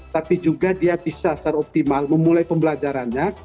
tapi juga dia bisa secara optimal memulai pembelajarannya